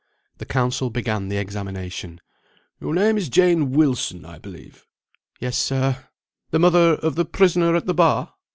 The counsel began the examination. "Your name is Jane Wilson, I believe." "Yes, sir." "The mother of the prisoner at the bar?"